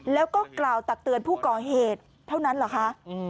แล้วก็กล่าวตักเตือนผู้ก่อเหตุเท่านั้นเหรอคะ